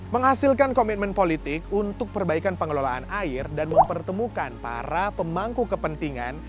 menghasilkan komitmen politik untuk perbaikan pengelolaan air dan mempertemukan para pemangku kepentingan